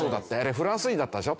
フランス人だったでしょ？